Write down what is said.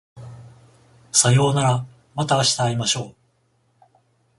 さようならまた明日会いましょう